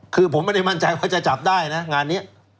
คือผมไม่ได้มั่นใจว่าจะจับได้นะงานนี้